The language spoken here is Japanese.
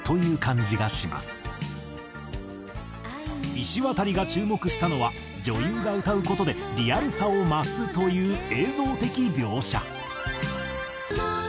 いしわたりが注目したのは女優が歌う事でリアルさを増すという映像的描写。